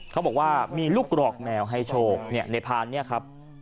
เขาบอกว่ามีลูกกรอกแมวให้โชคในพานเนี่ยครับ